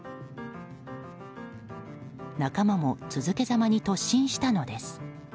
仲間も続けざまに突進したのです。